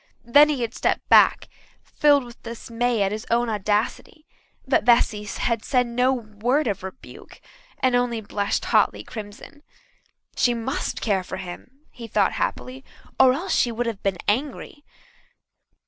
Then he had stepped back, filled with dismay at his own audacity. But Bessy had said no word of rebuke, and only blushed hotly crimson. She must care for him, he thought happily, or else she would have been angry.